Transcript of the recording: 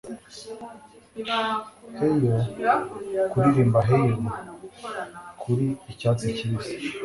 Heighho kuririmba heighho Kuri icyatsi kibisi